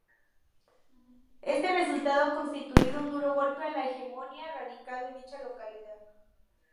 Éste resultado ha constituido un duro golpe a la hegemonía radical de dicha localidad.